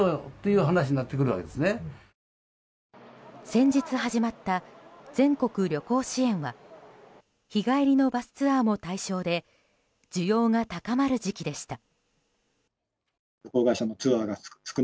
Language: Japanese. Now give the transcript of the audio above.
先日始まった全国旅行支援は日帰りのバスツアーも対象で需要が高まる時期でした。